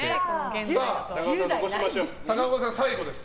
高岡さん、最後です。